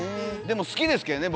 でも好きですけどね